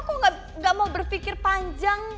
kok gak mau berpikir panjang